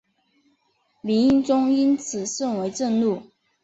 明英宗因此而甚为震怒。